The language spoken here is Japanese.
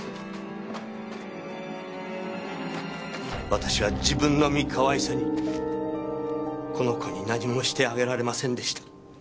私は自分の身かわいさにこの子に何もしてあげられませんでした。